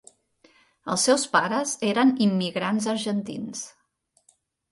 Els seus pares eren immigrants argentins.